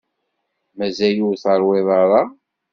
Mazal ur teṛwiḍ ara?